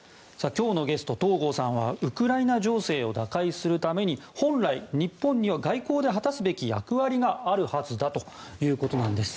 今日のゲスト東郷さんはウクライナ情勢を打開するために本来、日本には外交で果たすべき役割があるはずだということなんです。